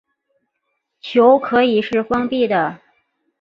球可以是封闭的。